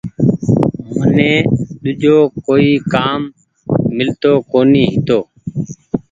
مني ڪوئي ۮوجو ڪآم ڪونيٚ ميلتو هيتو۔